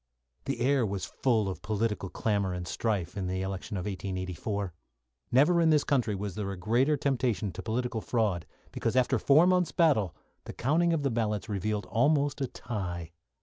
The air was full of political clamour and strife in the election of 1884. Never in this country was there a greater temptation to political fraud, because, after four month's battle, the counting of the ballots revealed almost a tie.